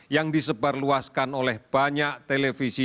yang disebarluaskan oleh banyak televisi